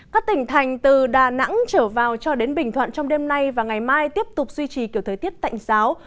các tỉnh thành từ đà nẵng trở vào cho đến bình thuận trong đêm nay và ngày mai tiếp tục duy trì kiểu thời tiết tạnh giáo